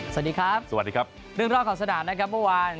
สวัสดีครับสวัสดีครับเรื่องรอบของสนามนะครับเมื่อวาน